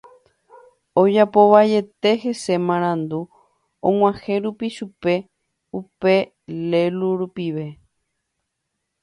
ojapovaiete hese marandu og̃uahẽ rupi chupe upe lélu rupive